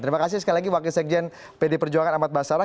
terima kasih sekali lagi wakil sekjen pd perjuangan ahmad basarah